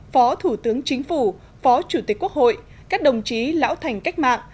phó thủ tướng chính phủ phó chủ tịch quốc hội các đồng chí lão thành cách mạng